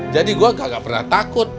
jadi gua kagak pernah takut